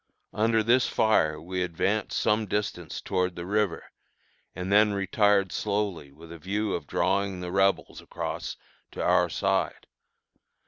Under this fire we advanced some distance toward the river, and then retired slowly with a view of drawing the Rebels across to our side.